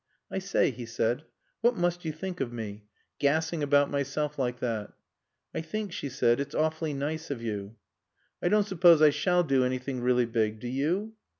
"I say," he said, "what must you think of me? Gassing about myself like that." "I think," she said, "it's awfully nice of you." "I don't suppose I shall do anything really big. Do you?"